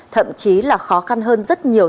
thậm chí là khó khăn hơn rất nhiều